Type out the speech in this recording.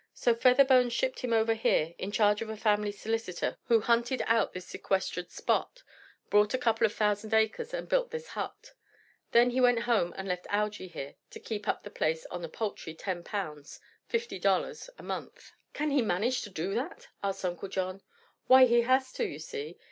So Featherbone shipped him over here, in charge of a family solicitor who hunted out this sequestered spot, bought a couple of thousand acres and built this hut. Then he went home and left Algy here to keep up the place on a paltry ten pounds fifty dollars a month." "Can he manage to do that?" asked Uncle John. "Why, he has to, you see.